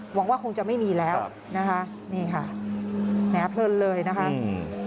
หวังว่าคงจะไม่มีแล้วนะคะนี่ค่ะแหมเพลินเลยนะคะอืม